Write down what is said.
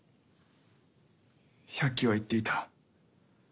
百鬼は言っていた。